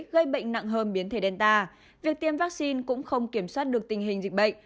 gây bệnh nặng hơn biến thể delta việc tiêm vaccine cũng không kiểm soát được tình hình dịch bệnh